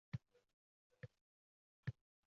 Hukumat bularning qanchasidan xabar topadi?